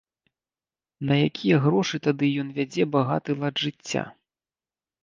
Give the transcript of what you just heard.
На якія грошы тады ён вядзе багаты лад жыцця?